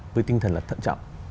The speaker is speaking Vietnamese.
với tinh thần là thận trọng